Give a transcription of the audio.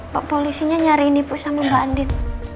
pak polisinya nyariin ibu sama mbak andin